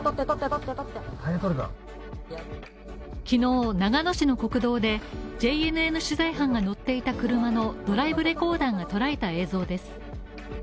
昨日長野市の国道で、ＪＮＮ取材班が乗っていた車のドライブレコーダーが捉えた映像です。